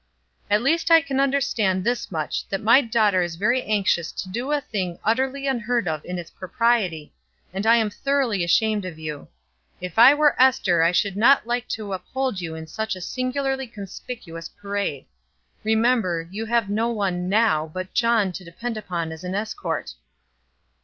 "At least I can understand this much, that my daughter is very anxious to do a thing utterly unheard of in its propriety, and I am thoroughly ashamed of you. If I were Ester I should not like to uphold you in such a singularly conspicuous parade. Remember, you have no one now but John to depend upon as an escort."